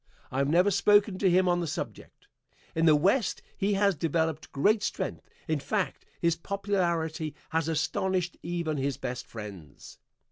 I have never spoken to him on the subject. In the West he has developed great strength, in fact, his popularity has astonished even his best friends.